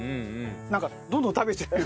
なんかどんどん食べちゃう。